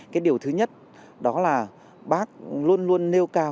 cái điều thứ nhất đó là bác luôn luôn nêu cao